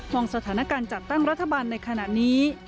องสถานการณ์จัดตั้งรัฐบาลในขณะนี้